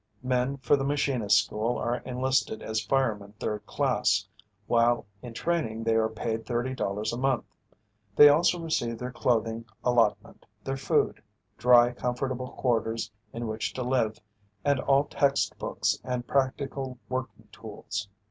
Men for the machinists' school are enlisted as firemen 3rd class. While in training they are paid $30 a month. They also receive their clothing allotment, their food, dry comfortable quarters in which to live, and all text books and practical working tools.